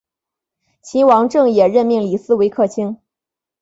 秦王政也任命李斯为客卿。